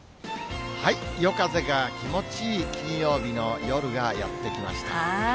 夜風が気持ちいい金曜日の夜がやって来ました。